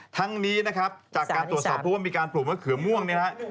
ทั้งนี้นะครับจากการตรวจสอบพูดว่ามีการปลูกเผือกเขือม่วง